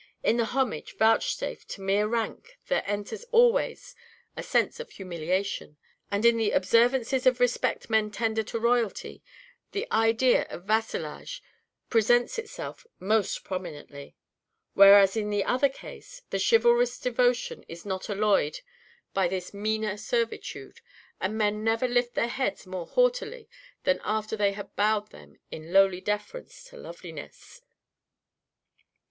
In the homage vouchsafed to mere rank there enters always a sense of humiliation, and in the observances of respect men tender to royalty, the idea of vassalage presents itself most prominently; whereas in the other case, the chivalrous devotion is not alloyed by this meaner servitude, and men never lift their heads more haughtily than after they have bowed them in lowly deference to loveliness."